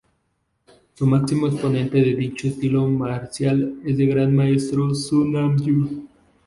El máximo exponente de dicho estilo marcial es el gran maestro Soo Nam Yoo.